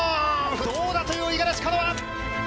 どうだという五十嵐カノア。